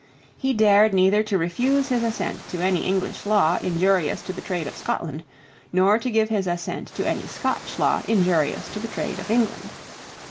He dared neither to refuse his assent to any English law injurious to the trade of Scotland, nor to give his assent to any Scotch law injurious to the trade of England.